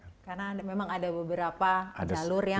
karena memang ada beberapa jalur yang kemudian berkurang